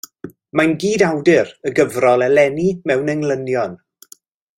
Mae'n gydawdur y gyfrol Eleni Mewn Englynion.